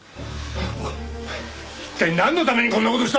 一体なんのためにこんな事したんだ！？